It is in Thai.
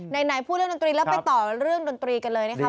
ไหนพูดเรื่องดนตรีแล้วไปต่อเรื่องดนตรีกันเลยนะคะ